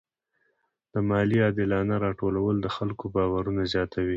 د مالیې عادلانه راټولول د خلکو باور زیاتوي.